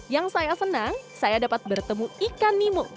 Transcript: yang saya senang saya dapat bertemu ikan nimu